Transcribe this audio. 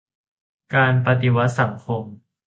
การปฏิวัติสังคม